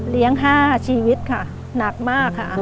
เลี้ยง๕ชีวิตค่ะหนักมากค่ะ